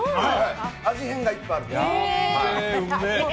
味変がいっぱいある。